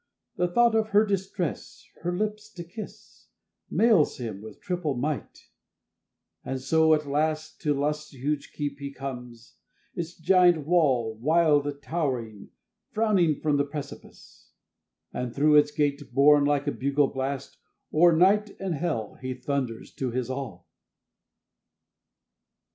The thought of her distress, her lips to kiss, Mails him with triple might; and so at last To Lust's huge keep he comes; its giant wall, Wild towering, frowning from the precipice; And through its gate, borne like a bugle blast, O'er night and hell he thunders to his all.